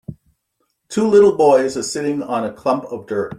Two little boys are sitting on a clump of dirt.